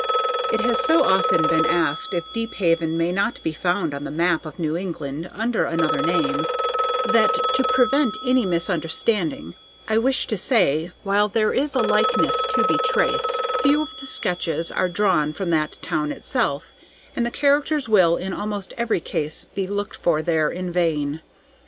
It has so often been asked if Deephaven may not be found on the map of New England under another name, that, to prevent any misunderstanding, I wish to say, while there is a likeness to be traced, few of the sketches are drawn from that town itself, and the characters will in almost every case be looked for there in vain.